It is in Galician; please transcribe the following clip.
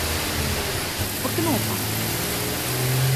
Porque non o fan.